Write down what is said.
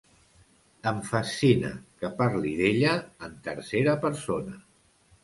Em fascina que parli d'ella en tercera persona.